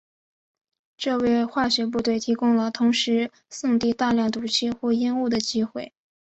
这为化学部队提供了同时送递大量毒气或烟雾的机会。